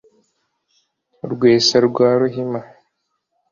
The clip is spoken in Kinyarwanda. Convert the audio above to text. rwesa rwa ruhima